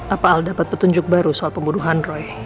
apa al dapat petunjuk baru soal pembunuhan roy